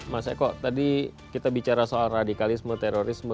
mas eko tadi kita bicara soal radikalisme terorisme